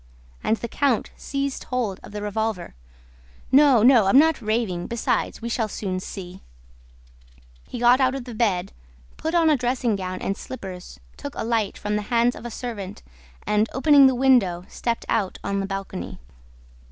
And the count seized hold of the revolver. "No, no, I'm not raving... Besides, we shall soon see ..." He got out of bed, put on a dressing gown and slippers, took a light from the hands of a servant and, opening the window, stepped out on the balcony.